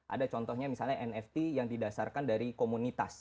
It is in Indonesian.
ada contohnya misalnya nft yang didasarkan dari komunitas